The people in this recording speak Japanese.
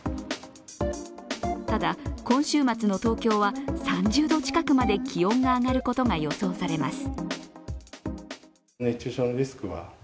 ただ、今週末の東京は３０度近くまで気温が上がることが予想されます。